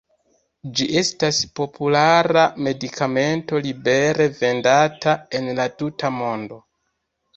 Ĝi estas populara medikamento libere vendata en la tuta mondo.